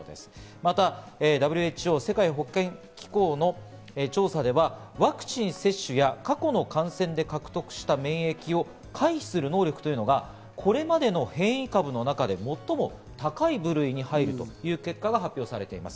また、ＷＨＯ＝世界保健機関の調査では、ワクチン接種や過去の感染で獲得した免疫を回避する能力というのがこれまでの変異株の中で最も高い部類に入るという結果が発表されています。